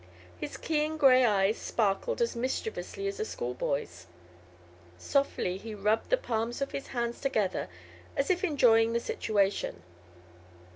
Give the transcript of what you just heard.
His keen gray eyes sparkled as mischievously as a schoolboy's. Softly he rubbed the palms of his hands together, as if enjoying the situation.